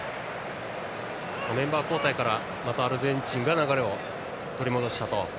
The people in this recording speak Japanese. メンバー交代からまたアルゼンチンが流れを取り戻したと。